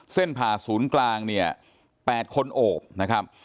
ผ่าศูนย์กลางเนี่ย๘คนโอบนะครับ